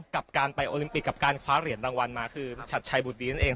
กับการไปโอลิมปิกกับการคว้าเหรียญรางวัลมาคือชัดชัยบุตดีนั่นเอง